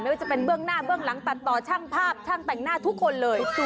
ไม่ว่าจะเป็นเบื้องหน้าเบื้องหลังตัดต่อช่างภาพช่างแต่งหน้าทุกคนเลย